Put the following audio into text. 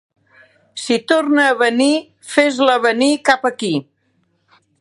Si torna a venir, fes-la venir cap aquí.